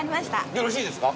よろしいですか？